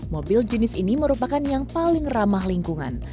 mobil jenis ini merupakan yang paling ramah lingkungan